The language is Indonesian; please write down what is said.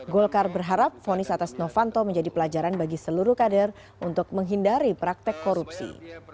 golkar berharap fonis atas novanto menjadi pelajaran bagi seluruh kader untuk menghindari praktek korupsi